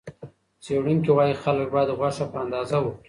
څېړونکي وايي، خلک باید غوښه په اندازه وخوري.